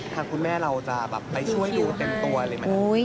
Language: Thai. ค่ะคุณแม่เราจะแบบไปช่วยดูเต็มตัวอะไรแบบนั้น